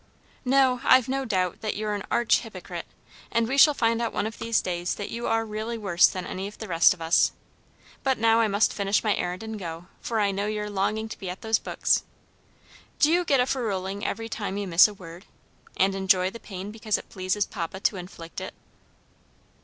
"No, I've no doubt that you're an arch hypocrite, and we shall find out one of these days that you are really worse than any of the rest of us. But now I must finish my errand and go, for I know you're longing to be at those books. Do you get a ferruling every time you miss a word? and enjoy the pain because it pleases papa to inflict it?"